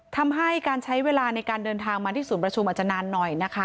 ทำให้การใช้เวลาในการเดินทางมาที่ศูนย์ประชุมอาจจะนานหน่อยนะคะ